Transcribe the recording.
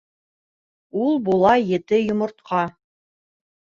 Ул була ете йомортҡа.